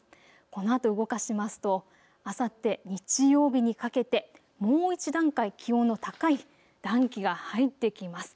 このあと動かしますとあさって日曜日にかけてもう１段階、気温の高い暖気が入ってきます。